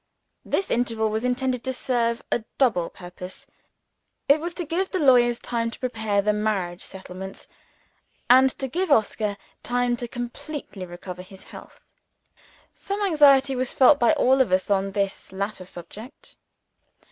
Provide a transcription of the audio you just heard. This interval was intended to serve a double purpose. It was to give the lawyers time to prepare the marriage settlements, and to give Oscar time to completely recover his health. Some anxiety was felt by all of us on this latter subject.